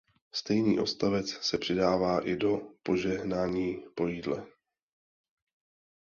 Stejný odstavec se přidává i do požehnání po jídle.